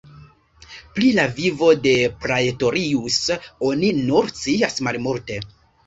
Pri la vivo de Praetorius oni nur scias malmulte.